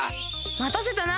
またせたな！